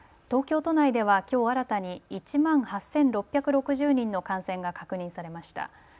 東京都内ではきょう新たに１万８６６０人の感染が確認されました。